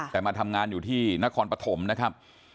แต่มาทำงานอยู่ที่นครปฐมนะครับ